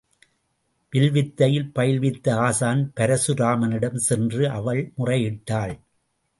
வில்வித்தை பயில்வித்த ஆசான் பரசுராமனிடம் சென்று அவள் முறையிட்டாள்.